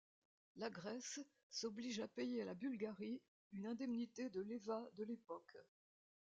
La Grèce s'oblige à payer à la Bulgarie une indemnité de léva de l'époque.